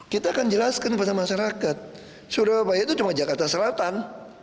kita akan jelaskan kepada masyarakat surabaya itu cuma jakarta selatan